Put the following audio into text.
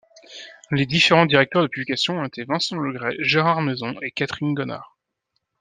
Les différents directeurs de publication ont été Vincent Legret, Gérard Maison et Catherine Gonnard.